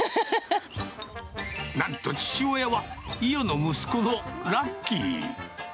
なんと父親はイヨの息子のラッキー。